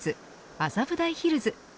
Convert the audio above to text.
麻布台ヒルズ。